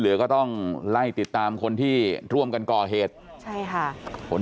เหลือก็ต้องไล่ติดตามคนที่ร่วมกันก่อเหตุใช่ค่ะผล